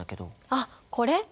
あっこれ？